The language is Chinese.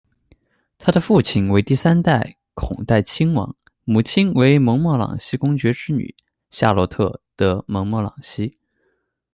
他的父亲为第三代孔代亲王，母亲为蒙莫朗西公爵之女─夏洛特·德·蒙莫朗西。